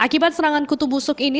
akibat serangan kutu busuk ini